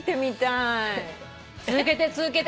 続けて続けて。